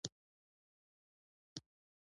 د را ولاړ شوي ګرد او د قهوې بوی.